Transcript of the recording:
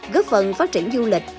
góp phần phát triển du lịch